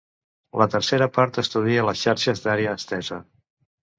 La tercera part estudia les xarxes d'àrea estesa.